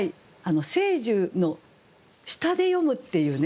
聖樹の下で読むっていうね